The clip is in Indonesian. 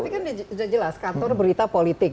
tapi kan sudah jelas kantor berita politik